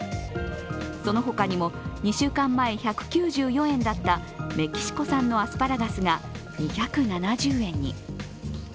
その他にも、２週間前、１９４円だったメキシコ産のアスパラガスが２７０円に。